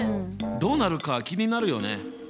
どうなるか気になるよね！